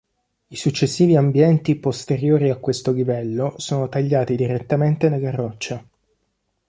I successivi ambienti posteriori a questo livello sono tagliati direttamente nella roccia.